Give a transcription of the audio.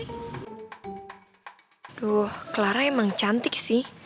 aduh clara emang cantik sih